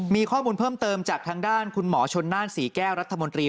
มีข้อมูลเพิ่มเติมจากทางด้านคุณหมอชนน่านศรีแก้วรัฐมนตรี